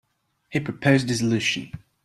He proposed a solution.